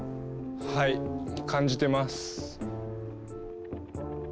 はい感じてます。